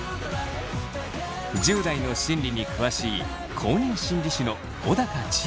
１０代の心理に詳しい公認心理師の小高千枝さんは。